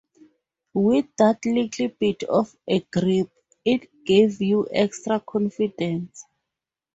With that little bit of a grip, it gave you extra confidence.